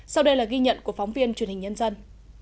sau đây là ghi nhận của phóng viên truyền hình nhân dân